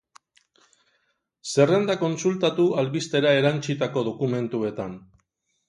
Zerrenda kontsultatu albistera erantsitako dokumentuetan.